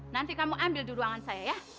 nanti kamu ambil di ruangan saya ya